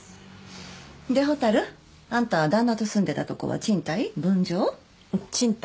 で蛍あんた旦那と住んでたとこは賃貸？